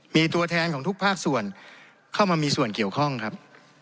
มีตัวแทนของทุกภาคส่วนเข้ามามีส่วนเกี่ยวข้องครับ